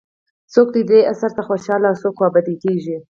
څوک دې اثر ته خوشاله او څوک خوابدي کېږي.